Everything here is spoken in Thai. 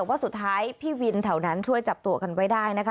ว่าสุดท้ายพี่วินแถวนั้นช่วยจับตัวกันไว้ได้นะคะ